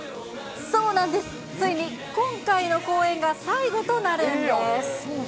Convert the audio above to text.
そうなんです、ついに今回の公演が最後となるんです。